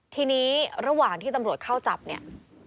ทีนี้ระหว่างที่ตำรวจเข้าจับเนี่ย